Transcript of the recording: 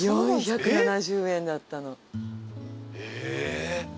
４７０円だったの。え！